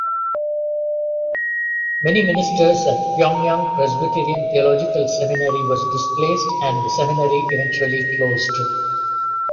Many ministers at Pyongyang Presbyterian Theological Seminary was displaced and the seminary eventually closed.